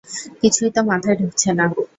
কিছুই তো মাথায় ঢুকছে না।